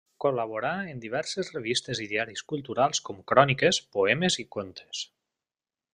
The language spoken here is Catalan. Col·laborà en diverses revistes i diaris culturals com cròniques, poemes i contes.